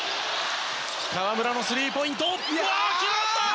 河村のスリーポイント決まった！